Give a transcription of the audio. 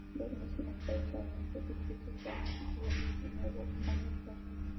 Dos meses más tarde se anunció que Pierce Brosnan sería el nuevo James Bond.